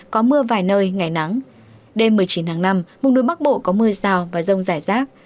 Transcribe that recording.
có mưa vài nơi ngày nắng đêm một mươi chín tháng năm vùng núi bắc bộ có mưa rào và rông rải rác